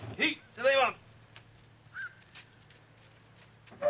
ただいま！